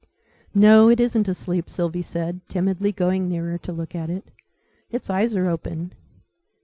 "No, it isn't asleep," Sylvie said, timidly going nearer to look at it: "it's eyes are open.